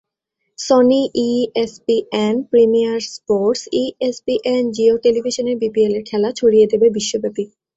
Sony ESPN, Premier Sports, ESPN, Jio টেলিভিশনের বিপিএলের খেলা ছড়িয়ে দেবে বিশ্বব্যাপী।